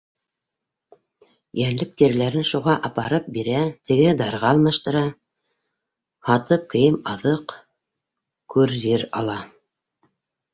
Йәнлек тиреләрен шуға апарып бирә, тегеһе дарыға алыштыра, һатып, кейем, аҙыҡ, күр-ер ала.